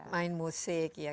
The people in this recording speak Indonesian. main musik ya